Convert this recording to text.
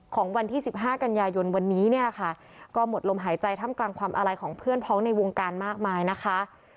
ของวันที่๑๕กันยายนวันนี้เนี่ยแหละค่ะก็หมดลมหายใจท่ามกลางความอาลัยของเพื่อนพ้องในวงการมากมายนะคะ